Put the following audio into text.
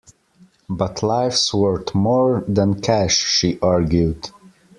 But life's worth more than cash, she argued.